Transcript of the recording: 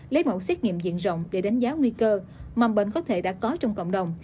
lấy mẫu xét nghiệm diện rộng để đánh giá nguy cơ mầm bệnh có thể đã có trong cộng đồng